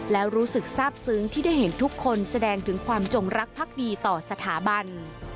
แล้วรู้สึกทราบซึ้งที่ได้เห็นทุกคนแสดงถึงความจงรักภักดีต่อสถาบัน